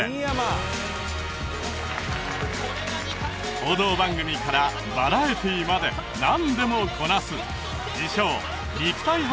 報道番組からバラエティーまで何でもこなす自称肉体派